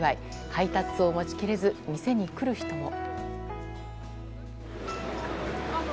配達を待ちきれず店に来る人も。